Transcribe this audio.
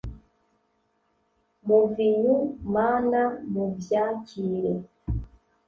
muvinyu mana nuvyakire